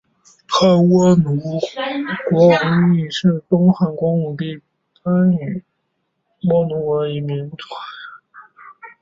汉倭奴国王印是东汉光武帝颁授给其属国倭奴国的一枚金制王印。